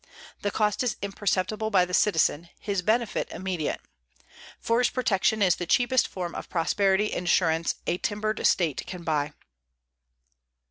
The cost is imperceptible by the citizen, his benefit immediate. _Forest protection is the cheapest form of prosperity insurance a timbered state can buy.